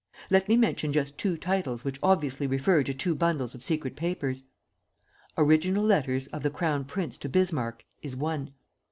Let me mention just two titles which obviously refer to two bundles of secret papers: Original letters of the Crown Prince to Bismarck is one.